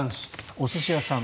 お寿司屋さん。